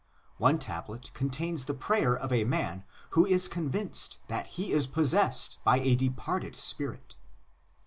One tablet contains the prayer of a man who is convinced that he is " possessed " by a departed spirit.